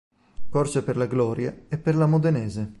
Corse per la Gloria e per la Modenese.